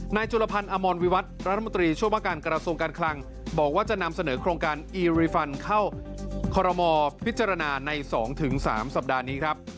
จุลพันธ์อมรวิวัตรรัฐมนตรีช่วยว่าการกระทรวงการคลังบอกว่าจะนำเสนอโครงการอีริฟันเข้าคอรมอพิจารณาใน๒๓สัปดาห์นี้ครับ